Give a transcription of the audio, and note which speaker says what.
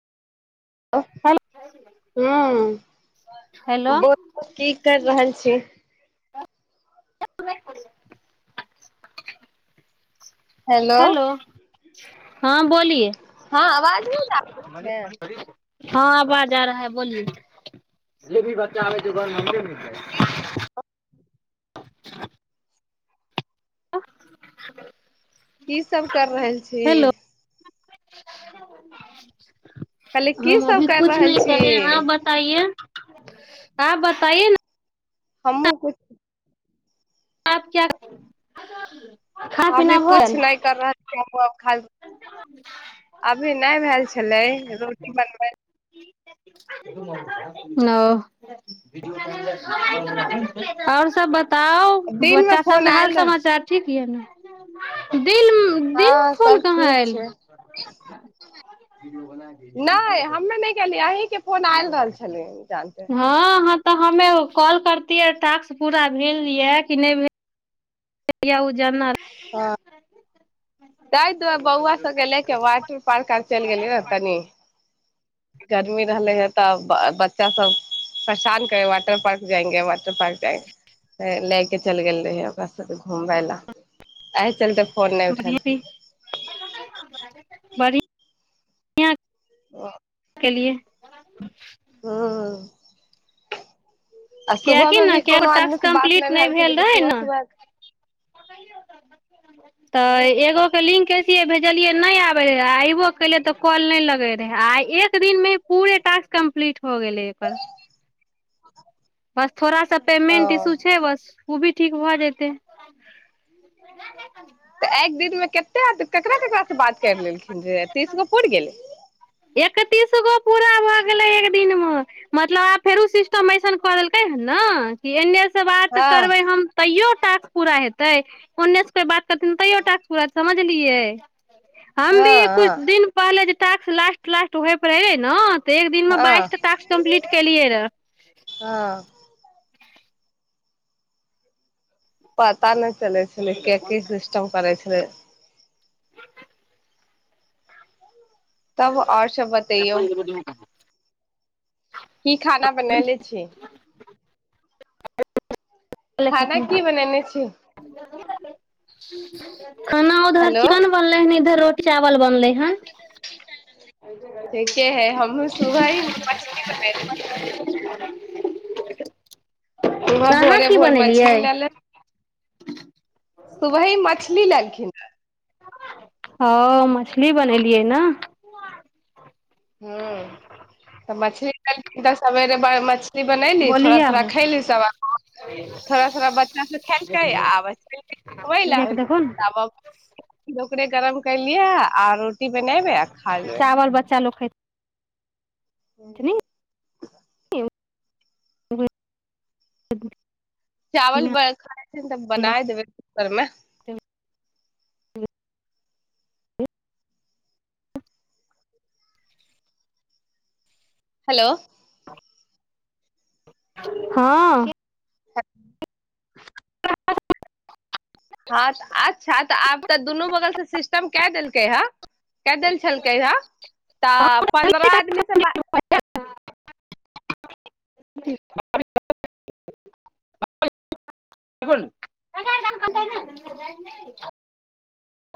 Speaker 1: ह
Speaker 2: hello hello
Speaker 1: ह बोलू की कर रहल छी
Speaker 2: [unintelligible] हेलो हँ बोलिए
Speaker 1: हँ अवाज नहि लागै छै
Speaker 2: हँ आबाज आ रहा है बोलू े भी बच्चा आबै छै ओ घरमे मेमे जा छै
Speaker 1: ह [inaudible]
Speaker 2: [unintelligible] ह [unintelligible]
Speaker 1: कीसभ कर रहल छी
Speaker 2: [unintelligible]
Speaker 1: कहले की
Speaker 2: हम
Speaker 1: सब
Speaker 2: अभी
Speaker 1: कर
Speaker 2: कुछ
Speaker 1: रहल
Speaker 2: नहि
Speaker 1: छी
Speaker 2: करे है अह बताइे आ बताइए ने
Speaker 1: हमूँ किछ
Speaker 2: आप क्या खाना
Speaker 1: अभी
Speaker 2: पीना भेल
Speaker 1: कुछ नहि कर रहल छै अभी नहि भेल छलै रोटी बनबै
Speaker 2: ओ आओर सब बताउ
Speaker 1: दिन मे
Speaker 2: बच्चा सब
Speaker 1: फोन
Speaker 2: के हाल
Speaker 1: आयल रह
Speaker 2: समाचार ठीक क आ
Speaker 1: हँ ठीक छै नहि हममे नहििय अ
Speaker 2: हँ ह तऽ हमे कॉल करतियै टास्क पूरा भेल यऽ कि नहि भेल क ओ जानना [unintelligible]
Speaker 1: तत बौआ सबके लेके वाटर पार्क आर चलि गेली ने तनी गर्मी रहले हे तऽ बच्चा सब परेशान करे वाटर पार्क जाएंगे वाटर पार्क जाएे ले के चल गेल रहि ओकरा सा घुमबय ला त फोन नहि उठल
Speaker 2: बड़ ह
Speaker 1: ओ
Speaker 2: केेलिए ह
Speaker 1: आ सुबह
Speaker 2: किएकी
Speaker 1: मे
Speaker 2: ना
Speaker 1: भी कोनो आदमी
Speaker 2: टास्क
Speaker 1: से बात
Speaker 2: कंप्लीट
Speaker 1: नहि
Speaker 2: नए
Speaker 1: छलै
Speaker 2: भेल
Speaker 1: कि
Speaker 2: रहय
Speaker 1: सुबह
Speaker 2: ना
Speaker 1: सुबह
Speaker 2: त
Speaker 1: ह
Speaker 2: एगो के लिंक एसिहे भेजलिए नहि आबै रहै अयबो कलै तऽ कॉल नहि लगैत रहै आ एक दिनमे पूरे टास्क कम्प्लीट हो गेलै एकर
Speaker 1: [unintelligible]
Speaker 2: बस थोड़ सा
Speaker 1: ओ
Speaker 2: पेमेंट ईशु छै बस ओ भी ठीक भऽ जेते
Speaker 1: तऽ एक दिनमे कतेक केकरा केकरास से बात करि लेलखिन जे तीस गो पुर गेलै
Speaker 2: एकतीस गो पूरा भए गेलै एक दिन मे मतलब आब फेरो सिस्टम ऐसन कर देलकै ह ने कि एन एस बात
Speaker 1: हँ
Speaker 2: करबै हम तैयो टास्क पूरा हेतै ओन्ने से को बात करतन तैयो टास्क पूराे समझलियै हम भी
Speaker 1: हँ
Speaker 2: कुछ
Speaker 1: हँ
Speaker 2: दिन पहले टास्क लट क्लास ट होय पर रह रहे ने तऽ एक दिनमे बाइस
Speaker 1: हँ
Speaker 2: टा तटास्क कम्प्लीट केलियै रह
Speaker 1: हँ पता नहि चलै छै के सिस्टम करै छै ह तब आओर सब बतैयौ की खाना बनले छी खाना की बनेने छी
Speaker 2: खाना उधर
Speaker 1: हेलो
Speaker 2: चिकन बनलै हन इधर रोटी चावल बनलै हन
Speaker 1: ठीके है हम सुबह ही मछली बने रह
Speaker 2: [unintelligible]
Speaker 1: हा
Speaker 2: अहाँ
Speaker 1: भोरे
Speaker 2: की
Speaker 1: भोर मछली
Speaker 2: बनेलियै
Speaker 1: लए ले
Speaker 2: [unintelligible]
Speaker 1: सुबही मछली लेलखिन [unintelligible]
Speaker 2: हँ मछली बनेलियै ने
Speaker 1: हू तऽ मछली कल त सेर मछ ी बनैली थोड़ा
Speaker 2: बोलिये
Speaker 1: थोड़ा
Speaker 2: हो
Speaker 1: खली सब थोड़ा थोड़ा बच्चा सब खेलक आ
Speaker 2: देखो ने
Speaker 1: ल पे गरम कलियै आरो की बनेबे आ खाल लए
Speaker 2: [unintelligible] ओ
Speaker 1: चावल खाइ छै तऽ बना देबै कूकर मे
Speaker 2: [unintelligible]
Speaker 1: हेलो
Speaker 2: हँ
Speaker 1: ह हँ अच्छा तऽ आब तऽ दुनू बगल से सिस्टम कए देलकेये ह कही देन छलकै ये त पंद्रह आदमी से बात
Speaker 2: [unintelligible]